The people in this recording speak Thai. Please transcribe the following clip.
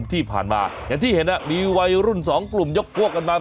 มะที่ผ่านมาอย่างที่เห็นอ่ะมีไวรุ่นสองกลุ่มยกก้วกันมา